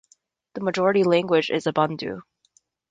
The majority language is Umbundu.